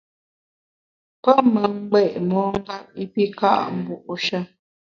Pe me ngbé’ mongep i pi ka’ mbu’she.